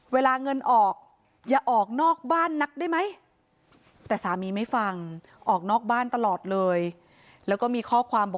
เวลาเงินออกอย่าออกนอกบ้านนักได้ไหม